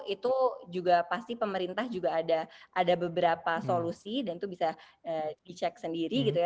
itu juga pasti pemerintah juga ada beberapa solusi dan itu bisa dicek sendiri gitu ya